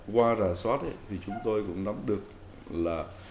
qua rà soát thì chúng tôi cũng nắm được là